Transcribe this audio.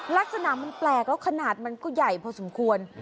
ลักษณะมันแปลกแล้วขนาดมันก็ใหญ่พอสมควร